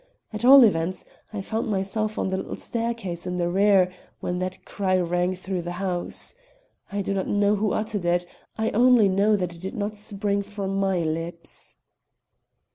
At all events, I found myself on the little staircase in the rear when that cry rang through the house. I do not know who uttered it; I only know that it did not spring from my lips."